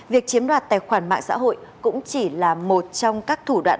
việc chiếm đoạt tài khoản mạng xã hội cũng chỉ là một trong các thủ đoạn